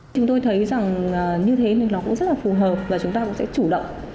chúng tôi thấy rằng như thế thì nó cũng rất là phù hợp và chúng ta cũng sẽ chủ động